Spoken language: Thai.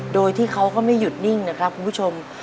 โดยที่เขาก็ไม่หยุดนิ่งนะครับคุณผู้ชม